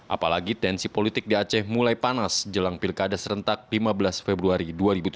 apalagi tensi politik di aceh mulai panas jelang pilkada serentak lima belas februari dua ribu tujuh belas